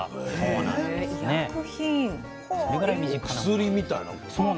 薬みたいなもの？